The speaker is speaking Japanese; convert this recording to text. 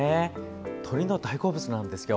鳥の大好物なんですよ。